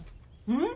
うん。